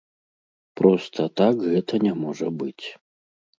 Проста так гэта не можа быць.